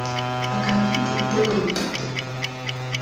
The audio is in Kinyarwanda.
akaba afite ibitego bitatu